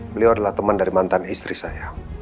beliau adalah teman dari mantan istri saya